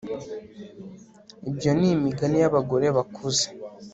ibyo ni imigani y'abagore bakuze